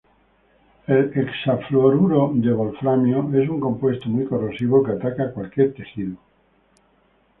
El hexafluoruro de wolframio es un compuesto muy corrosivo que ataca a cualquier tejido.